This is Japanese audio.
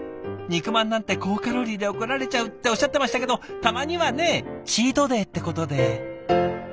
「肉まんなんて高カロリーで怒られちゃう」っておっしゃってましたけどたまにはねチートデーってことで。